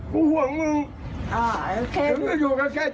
แล้วเขาพากลับไปส่งบ้าน